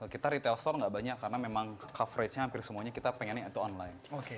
kita retail store gak banyak karena memang coveragenya hampir semuanya kita pengennya itu online